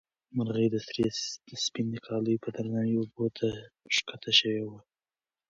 مرغۍ د سړي د سپینې کالیو په درناوي اوبو ته ښکته شوې وه.